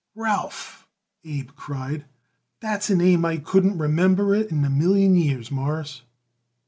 "Ralph!" Abe cried. "That's a name I couldn't remember it in a million years, Mawruss."